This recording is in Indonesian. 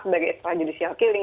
sebagai extra judicial killing